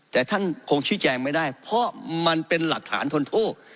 แต่ท่านคงชี้แจงไม่ได้เพราะมันเป็นหลักฐานทนโทษ